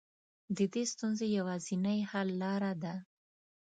د دې ستونزې يوازنۍ حل لاره ده.